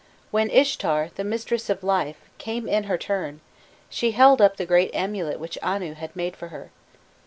"When Ishtar, the mistress of life, came in her turn, she held up the great amulet which Anu had made for her."